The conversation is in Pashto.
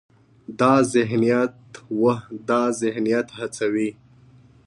دا ذهنیت هڅوي،